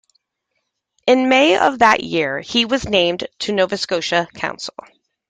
In May of that year, he was named to the Nova Scotia Council.